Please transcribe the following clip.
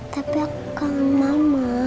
tapi aku kangen mama